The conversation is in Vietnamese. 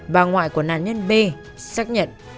bà ngoại của nạn nhân b xác nhận